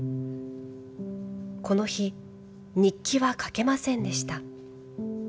この日、日記は書けませんでした。